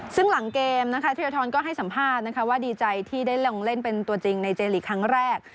ซึ่งหลังเกมนะคะธิรทรก็ให้สัมภาษณ์นะคะว่าดีใจที่ได้ลงเล่นเป็นตัวจริงในเจลีกครั้งแรก